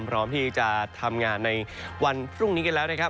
พร้อมที่จะทำงานในวันพรุ่งนี้กันแล้วนะครับ